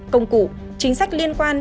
công cụ chính sách liên quan